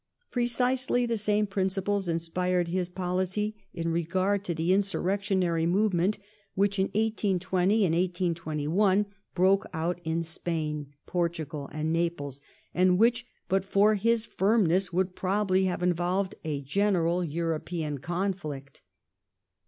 Pi'ecisely the same principles inspired his policy in regard to the insurrectionary movement which in 1820 1821 broke out in Spain, Portugal, and Naples, and which, but for his firmness, would prob ably have involved a general European conflict.